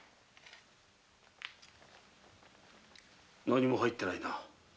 何も入ってないな。